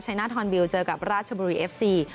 ชัยนาธรนบิวเจอกับราชบุรีเอฟซี